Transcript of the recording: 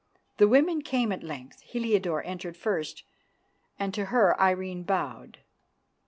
The women came at length. Heliodore entered first, and to her Irene bowed.